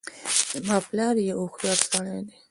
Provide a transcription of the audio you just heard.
زما پلار یو هوښیارسړی ده